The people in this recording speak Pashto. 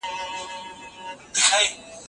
که استاد پوه وي نو شاګرد ډېر څه زده کوي.